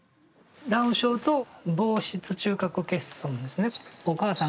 ・ダウン症と房室中核欠損ですね。